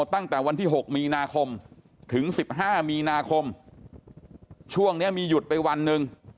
ตั้งแต่วันที่๖มีนาคมถึง๑๕มีนาคมช่วงนี้มีหยุดไปวันหนึ่ง